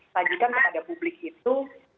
tadi kan pada publik itu